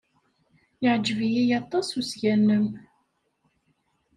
Yeɛjeb-iyi aṭas usga-nnem.